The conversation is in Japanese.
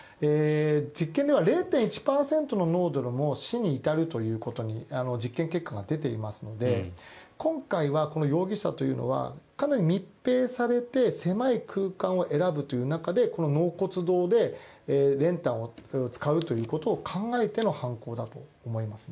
実験では０．１％の濃度でも死に至るということで実験結果が出ていますので今回はこの容疑者というのはかなり密閉されて狭い空間を選ぶという中でこの納骨堂で練炭を使うということを考えての犯行だと思います。